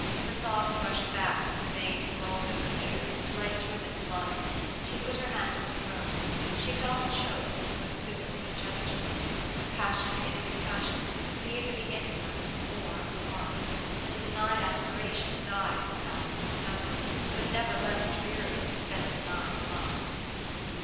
Her thoughts rushed back through the veins of all those years, like driven blood. She put her hand to her throat. She felt choked, as if with a physical congestion. A passion is a passion, be it of the intellect or of the heart ; and a denied aspiration dies, perhaps, more dumbly, but never less drearily, than a denied love.